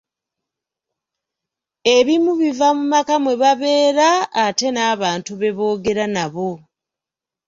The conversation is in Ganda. Ebimu biva mu maka mwe babeera ate n'abantu be boogera nabo.